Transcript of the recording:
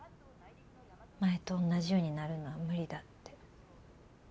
前と同じようになるのは無理だって。